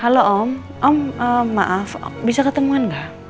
halo om om maaf bisa ketemuan nggak